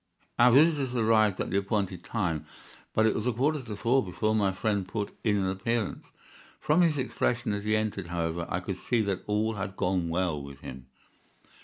Our visitors arrived at the appointed time, but it was a quarter to four before my friend put in an appearance. From his expression as he entered, however, I could see that all had gone well with him.